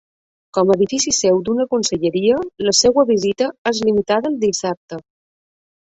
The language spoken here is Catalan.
Com a edifici seu d'una conselleria, la seua visita és limitada al dissabte.